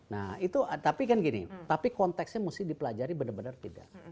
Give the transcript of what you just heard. nah itu tapi kan gini tapi konteksnya mesti dipelajari benar benar tidak